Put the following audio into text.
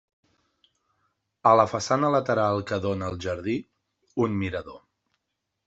A la façana lateral que dóna al jardí, un mirador.